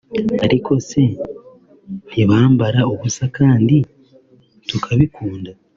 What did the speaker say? Ariko se ntibambara ubusa kdi tukabikunda